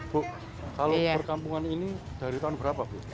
bu kalau perkampungan ini dari tahun berapa bu